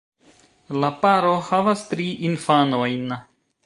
La paro havas tri infanojn.